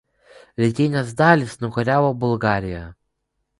Rytines dalis nukariavo Bulgarija.